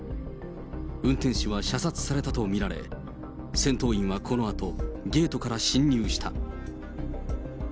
運転手は射殺されたと見られ、戦闘員はこのあと、ゲートから侵入した。